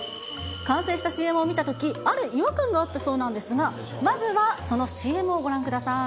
完成したＣＭを見たとき、ある違和感があったそうなんですが、まずはそのＣＭをご覧ください。